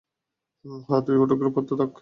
হ্যাঁ, তুই অটোগ্রাফ করতে থাক।